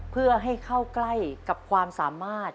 เพื่อให้เข้าใกล้กับความสามารถ